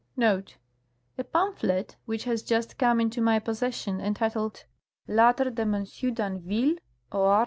— A pamphlet which has just come into my possession, entitled " Lettre de Monsieur d'Anville au R.